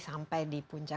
sampai di puncak